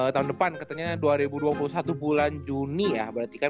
tahun depan katanya dua ribu dua puluh satu bulan juni ya berarti kan